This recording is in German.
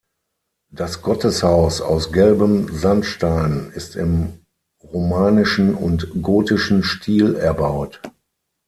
Das Gotteshaus aus gelbem Sandstein ist im romanischen und gotischen Stil erbaut.